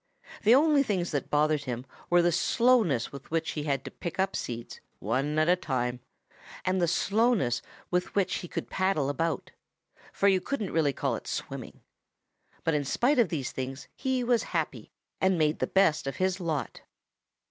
The only things that bothered him were the slowness with which he had to pick up seeds, one at a time, and the slowness with which he could paddle about, for you couldn't really call it swimming. But in spite of these things he was happy and made the best of his lot.